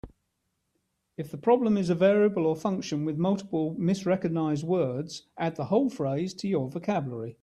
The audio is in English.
If the problem is a variable or function with multiple misrecognized words, add the whole phrase to your vocabulary.